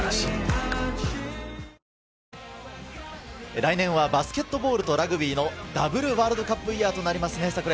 来年はバスケットボールとラグビーのダブルワールドカップイヤーとなります。